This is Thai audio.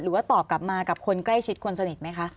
ตอบกลับมากับคนใกล้ชิดคนสนิทไหมคะ